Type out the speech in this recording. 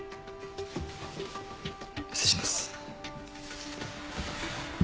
失礼します。